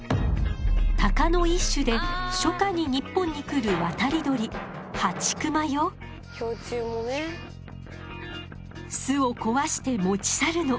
タカの一種で初夏に日本に来る渡り鳥巣を壊して持ち去るの。